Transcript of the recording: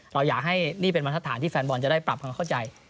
เราอยากให้นี่เป็นบรรทัศน์ที่แฟนบอลจะได้ปรับความเข้าใจ